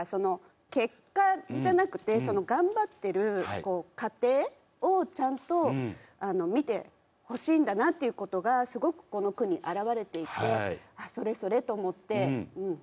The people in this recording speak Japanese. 結果じゃなくてその頑張ってる過程をちゃんと見てほしいんだなっていうことがすごくこの句に表れていてあっそれそれ！と思って選びました。